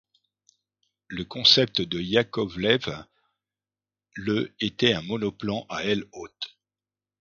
Le concept de Yakovlev, le était un monoplan à aile haute.